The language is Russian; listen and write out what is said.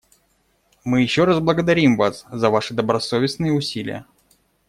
Мы еще раз благодарим вас за ваши добросовестные усилия.